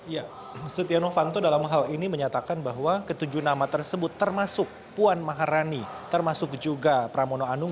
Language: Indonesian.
ya setia novanto dalam hal ini menyatakan bahwa ketujuh nama tersebut termasuk puan maharani termasuk juga pramono anung